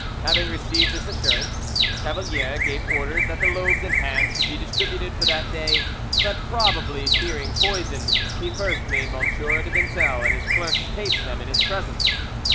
Having received this assurance, Cavalier gave orders that the loaves in hand should be distributed for that day, but probably fearing poison, he first made M. de Vincel and his clerks taste them in his presence.